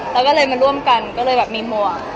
แล้วก็เลยมาร่วมกันก็เลยแบบมีหมวก